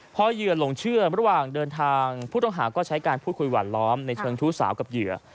พอเหยื่อหลงเชื่อระหว่างเดินทางผู้ต้องหาก็ใช้การพูดคุยหวานล้อมในเชิงชู้สาวกับเหยื่อ